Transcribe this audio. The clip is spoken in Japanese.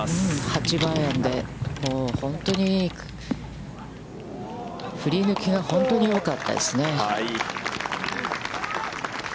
８番アイアンで本当に振り抜きが本当に大きかったですね。